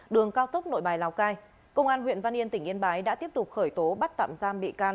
đường cao tốc nội bài lào cai công an huyện văn yên tỉnh yên bái đã tiếp tục khởi tố bắt tạm giam bị can